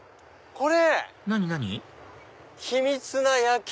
これ。